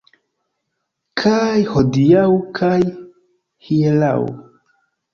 Kaj hodiaŭ kaj hieraŭ.